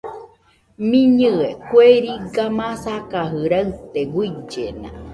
Mɨnɨe kue riga masakajɨ raɨte, guillena